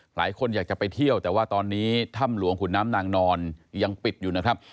หลายคนอยากจะไปเที่ยวแต่ว่าตอนนี้ถ้ำหลวงขุนน้ำนางนอนยังปิดอยู่นะครับ